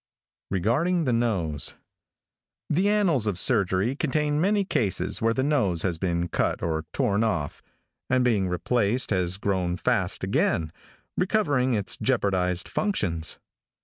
REGARDING THE NOSE. |THE annals of surgery contain many cases where the nose has been cut or torn off, and being replaced has grown fast again, recovering its jeopardized functions.